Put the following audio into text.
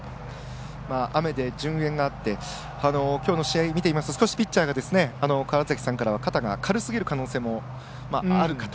雨で順延があってきょうの試合、見ていますと少しピッチャーが川原崎さんからは肩が軽すぎる可能性もあるかと。